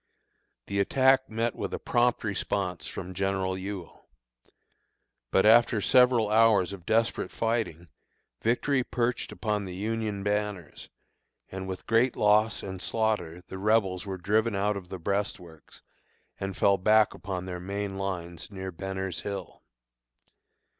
The attack met with a prompt response from General Ewell. But after several hours of desperate fighting, victory perched upon the Union banners, and with great loss and slaughter the Rebels were driven out of the breastworks, and fell back upon their main lines near Benner's Hill.